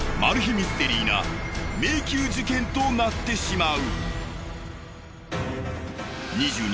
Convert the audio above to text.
ミステリーな迷宮事件となってしまう。